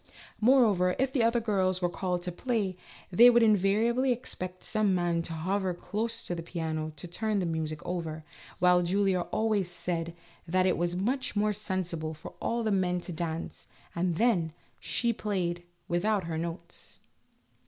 Moreover, if the other girls were called upon to play, they would invariably expect some man to hover close to the piano to turn the music over, while Julia always said that it was much more sen sible for all the men to dance, and then, she played without her notes.